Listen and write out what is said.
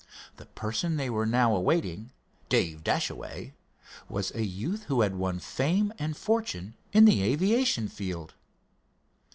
The person they were now awaiting, Dave Dashaway, was a youth who had won fame and fortune in the aviation field.